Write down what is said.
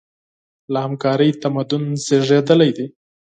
له همکارۍ تمدن زېږېدلی دی.